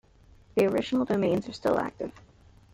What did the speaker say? The original domains are still active.